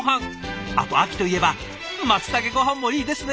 あと秋といえばまつたけごはんもいいですね。